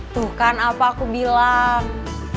tuh kan apa aku bilang